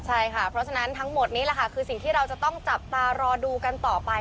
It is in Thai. ใช่ค่ะเพราะฉะนั้นทั้งหมดนี้แหละค่ะคือสิ่งที่เราจะต้องจับตารอดูกันต่อไป